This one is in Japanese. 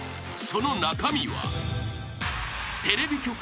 ［その中身は］